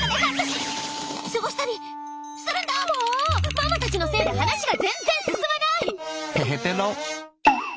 ママたちのせいで話が全然進まない！